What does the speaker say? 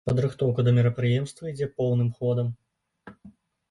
Падрыхтоўка да мерапрыемства ідзе поўным ходам.